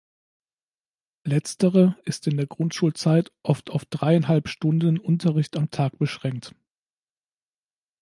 Letztere ist in der Grundschulzeit oft auf dreieinhalb Stunden Unterricht am Tag beschränkt.